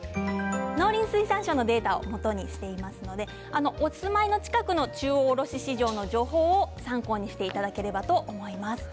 農林水産省のデータをもとにしていますのでお住まいの近くの中央卸売市場のデータを参考にしていただければと思います。